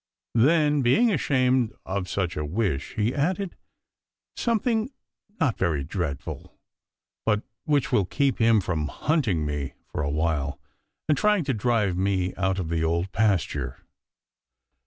Then, being ashamed of such a wish, he added, "Something not very dreadful, but which will keep him from hunting me for a while and trying to drive me out of the Old Pasture."